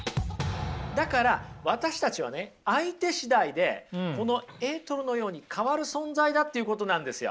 だから私たちはね相手しだいでこのエートルのように変わる存在だということなんですよ。